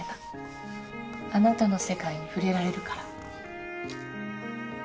あなたの世界に触れられるから。